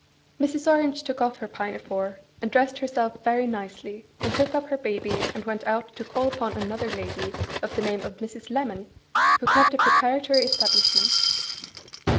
Mrs. Orange took off her pinafore, and dressed herself very nicely, and took up her baby, and went out to call upon another lady of the name of Mrs. Lemon, who kept a preparatory establishment.